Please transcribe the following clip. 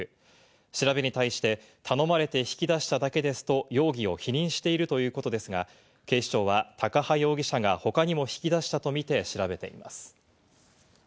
調べに対して頼まれて引き出しただけですと容疑を否認しているということですが、警視庁は高羽容疑者が他にも引き出したとみて調べています。